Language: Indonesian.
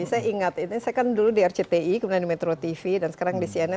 saya ingat ini saya kan dulu di rcti kemudian di metro tv dan sekarang di cnn